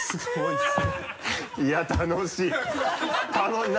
いや楽しい